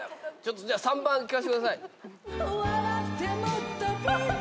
３番聞かせてください。